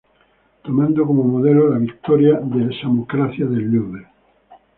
Tomando como modelo la Victoria de Samotracia del Louvre.